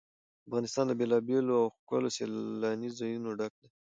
افغانستان له بېلابېلو او ښکلو سیلاني ځایونو ډک دی.